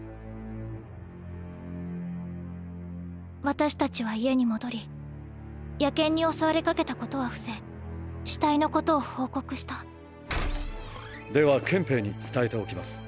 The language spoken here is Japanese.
私たちは家に戻り野犬に襲われかけたことは伏せ死体のことを報告したでは憲兵に伝えておきます。